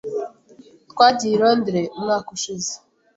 Twagiye i Londres umwaka ushize.